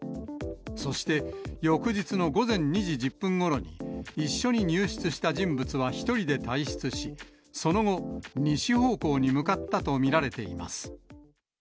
そして、翌日の午前２時１０分ごろに一緒に入室した人物は１人で退室し、その後、西方向に向かったと見られています。